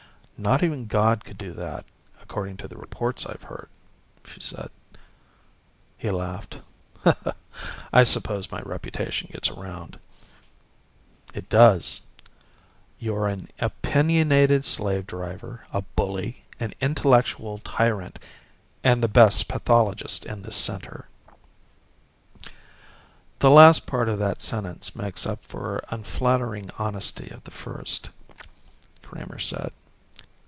"Not even God could do that, according to the reports I've heard," she said. He laughed. "I suppose my reputation gets around." "It does. You're an opinionated slave driver, a bully, an intellectual tyrant, and the best pathologist in this center." "The last part of that sentence makes up for unflattering honesty of the first," Kramer said.